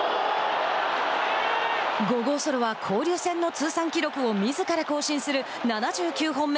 ５号ソロは交流戦の通算記録をみずから更新する７９本目。